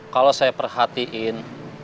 kalau saya perhatiin